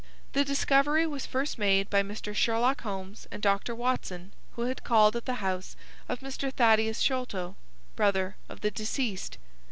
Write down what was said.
The discovery was first made by Mr. Sherlock Holmes and Dr. Watson, who had called at the house with Mr. Thaddeus Sholto, brother of the deceased.